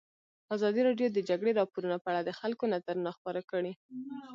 ازادي راډیو د د جګړې راپورونه په اړه د خلکو نظرونه خپاره کړي.